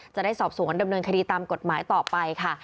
จะได้สอบสวนดำเนินคดีตามกฎหมายต่อไปค่ะ